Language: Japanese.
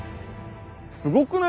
すごくない？